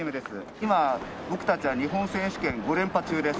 今僕たちは日本選手権５連覇中です。